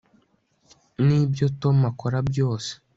nibyo tom akora byose